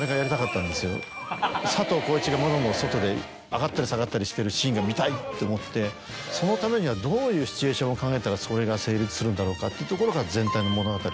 佐藤浩市が窓の外で上がったり下がったりしてるシーンが見たい！って思ってそのためにはどういうシチュエーションを考えたらそれが成立するんだろうかというところから全体の物語を。